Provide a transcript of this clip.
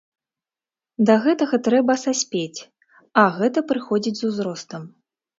Да гэтага трэба саспець, а гэта прыходзіць з узростам.